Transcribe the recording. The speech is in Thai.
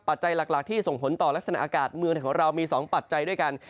จัยหลักที่ส่งผลต่อลักษณะอากาศเมืองของเรามี๒ปัจจัยด้วยกัน